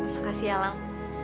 makasih ya leng